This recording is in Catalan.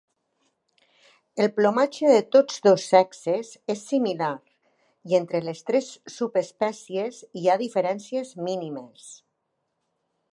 El plomatge de tots dos sexes és similar, i entre les tres subespècies hi ha diferències mínimes.